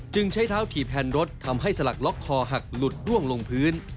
ใช้เท้าถีบแผ่นรถทำให้สลักล็อกคอหักหลุดร่วงลงพื้น